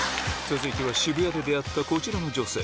続いては渋谷で出会ったこちらの女性。